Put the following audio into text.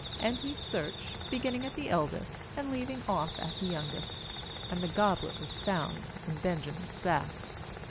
12And he searched, beginning at the eldest, and leaving off at the youngest; and the goblet was found in Benjamin's sack.